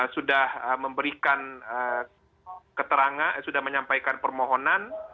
sudah memberikan keterangan sudah menyampaikan permohonan